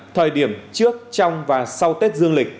thời điểm trước trong và sau tết dương lịch